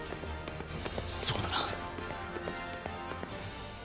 そうだな。